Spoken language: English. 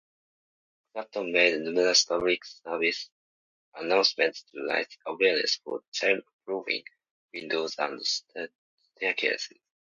Clapton made numerous public service announcements to raise awareness for childproofing windows and staircases.